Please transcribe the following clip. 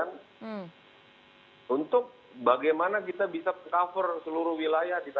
enggak dulu cannabis taste w empat ratus riesian untuk bagaimana kita bisa beka cover seluruh wilayah di tanah air kita